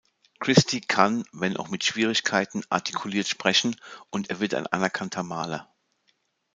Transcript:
Christy kann, wenn auch mit Schwierigkeiten, artikuliert sprechen und er wird ein anerkannter Maler.